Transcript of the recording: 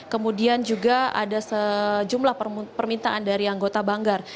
kemudian juga ada sejumlah permintaan dari anggota banggar